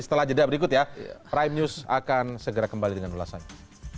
setelah jeda berikut ya prime news akan segera kembali dengan ulasannya